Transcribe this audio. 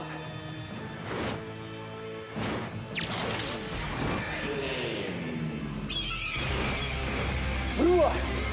aku akan membuatnya